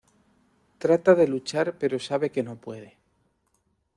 Trata de luchar, pero sabe que no puede.